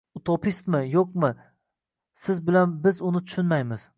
— Utopistmi, yoʼqmi, siz bilan biz uni tushunmaymiz.